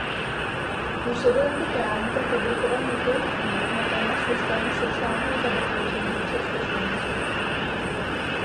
Působil jako právník a publikoval několik knih na téma systému sociálního zabezpečení v Československu.